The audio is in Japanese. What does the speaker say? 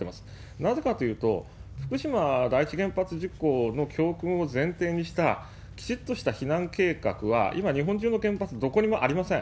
なぜかというと、福島第一原発事故の教訓を前提にした、きちっとした避難計画は、今、日本中の原発、どこにもありません。